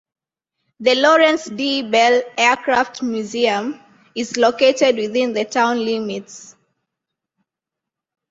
The Lawrence D. Bell Aircraft Museum, is located within the town limits.